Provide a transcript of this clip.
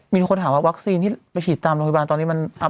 มีคนถามว่าวัคซีนที่ไปฉีดตามโรงพยาบาลตอนนี้มัน